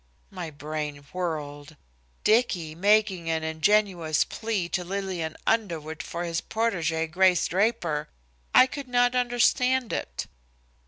My brain whirled. Dicky making an ingenuous plea to Lillian Underwood for his protégé, Grace Draper! I could not understand it.